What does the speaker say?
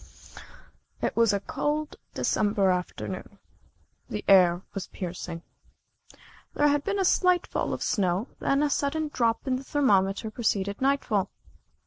It was a cold December afternoon. The air was piercing. There had been a slight fall of snow, then a sudden drop in the thermometer preceded nightfall.